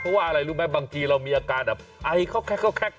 เพราะว่าอะไรรู้ไหมบางทีเรามีอาการแบบไอเขาแคก